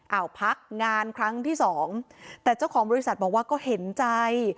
เอาพักงานครั้งที่สองแต่เจ้าของบริษัทบอกว่าก็เห็นใจ